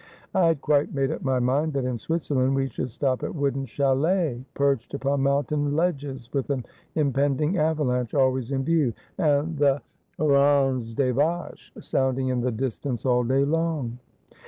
' I had quite made up my mind that in Switzerland we should stop at wooden chalets perched upon mountain ledges, with an impending avalanche always in view, and the " Ranz des Vaclics " sounding in the distance all day long.'